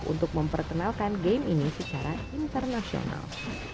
untuk memperkenalkan game ini secara internasional